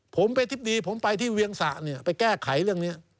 ผมเป็นอธิบดีผมไปที่เวียงสะเนี่ยไปแก้ไขเรื่องนี้